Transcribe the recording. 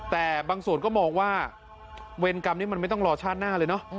แต่บางส่วนก็มองว่าเวรกรรมนี้มันไม่ต้องรอชาติหน้าเลยเนอะ